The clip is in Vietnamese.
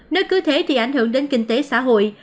nơi cứ thế thì ảnh hưởng đến kinh tế xã hội